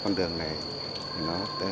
con đường này nó